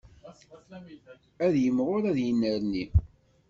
Ad yimɣur ad yennerni.